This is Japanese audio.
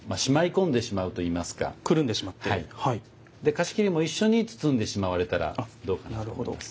菓子切りも一緒に包んでしまわれたらどうかなと思います。